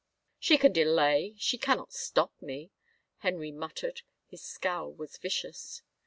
" She can delay — she cannot stop me," Henry mut tered. His scowl was vicious.